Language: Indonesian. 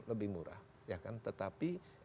lebih murah tetapi